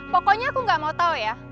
pokoknya aku gak mau tau ya